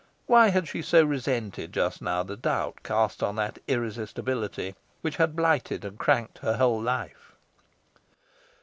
Why had she so resented just now the doubt cast on that irresistibility which had blighted and cranked her whole life?